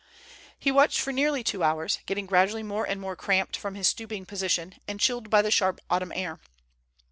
He watched for nearly two hours, getting gradually more and more cramped from his stooping position, and chilled by the sharp autumn air.